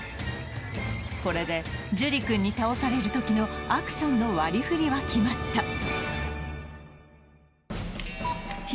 これでジュリ君に倒されるときのアクションの割りふりは決まった